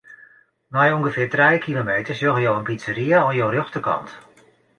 Nei ûngefear trije kilometer sjogge jo in pizzeria oan jo rjochterkant.